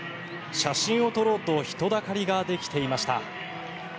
写真を撮ろうと人だかりができていました。